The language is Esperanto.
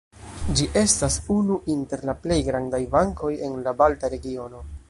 Ĝi estas unu inter la plej grandaj bankoj en la balta regiono.